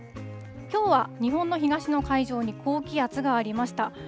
きょうは日本の東の海上に高気圧がありました。